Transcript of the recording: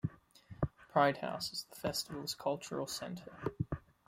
Pride House is the festival's cultural centre.